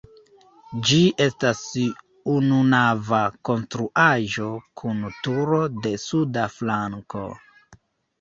Ĝi estas ununava konstruaĵo kun turo de suda flanko.